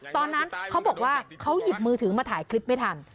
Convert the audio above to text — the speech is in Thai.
ตอนนั้นเขาบอกว่าเขาหยิบมือถือมาถ่ายคลิปไม่ทัน